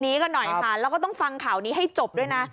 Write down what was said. กันหน่อยค่ะแล้วก็ต้องฟังข่าวนี้ให้จบด้วยนะ